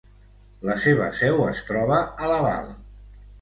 La seva seu es troba a Laval.